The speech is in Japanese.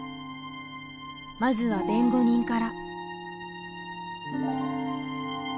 まずは弁護人から。